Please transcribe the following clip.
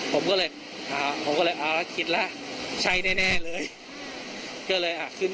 ผมก็เลยอ่าคิดละใช่แน่เลย